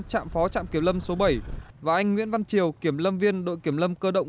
trạm phó trạm kiểm lâm số bảy và anh nguyễn văn triều kiểm lâm viên đội kiểm lâm cơ động